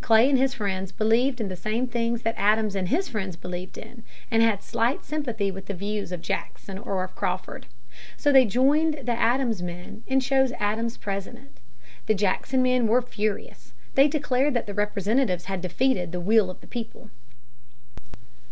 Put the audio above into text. Clay and his friends believed in the same things that Adams and his friends believed in, and had slight sympathy with the views of Jackson or of Crawford. So they joined the Adams men and chose Adams President. The Jackson men were furious. They declared that the Representatives had defeated the "will of the people."